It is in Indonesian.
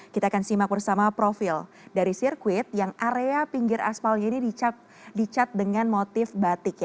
kita akan simak bersama profil dari sirkuit yang area pinggir aspalnya ini dicat dengan motif batik